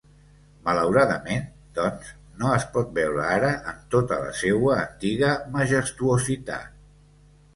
Malauradament, doncs, no es pot veure ara en tota la seua antiga majestuositat.